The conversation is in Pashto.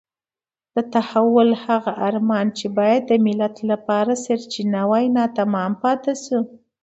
د تحول هغه ارمان چې باید د ملت لپاره سرچینه وای ناتمام پاتې شو.